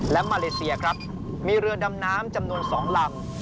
และมาเลเซียครับมีเรือดำน้ำจำนวน๒ลำ